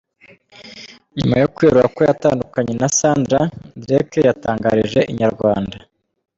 Nyuma yo kwerura ko yatandukanye na Sandra, Derek yatangarije Inyarwanda.